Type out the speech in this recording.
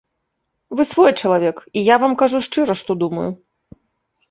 Вы свой чалавек, і я вам кажу шчыра, што думаю.